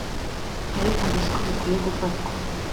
ariko ngo siko bikwiye gufatwa